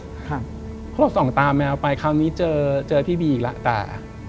เพราะเราส่องตาแมวไปครั้งนี้เจอพี่บีอีกแล้วแต่